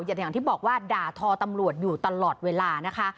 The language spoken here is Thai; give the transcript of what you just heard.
อย่างที่บอกว่าด่าทอตำรวจอยู่ตลอดเวลานะคะ